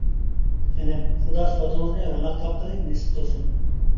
-خېنىم، خۇدا سودىڭىزنى روناق تاپقىلى نېسىپ قىلسۇن!